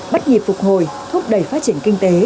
bắt nhịp phục hồi thúc đẩy phát triển kinh tế